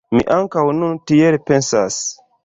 Mi ankaŭ nun tiel pensas.